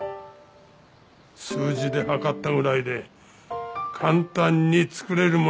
数字で量ったぐらいで簡単に作れるものではない！